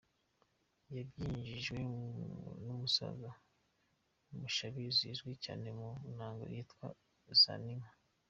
Yabyigishijwe n’umusaza Mushabizi uzwi cyane mu nanga yitwa ‘Zaninka’.